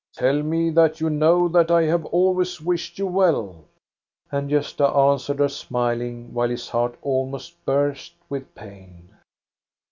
Tell me that You know that I have always wished you well." And Gosta answered her smiling, while his heart almost burst with pain.